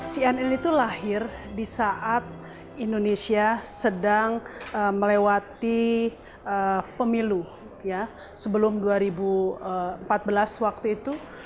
cnn itu lahir di saat indonesia sedang melewati pemilu sebelum dua ribu empat belas waktu itu